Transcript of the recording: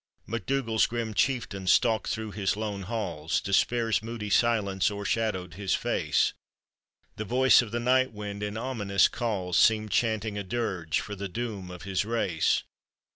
MacDougall's grim chieftain stalked thro' his lone halls, Despair's moody silence o'ershadowed his face, The voice of the night wind in ominous calls Seemed chanting a dirge for the doom of his race.